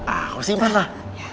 aku simpan lah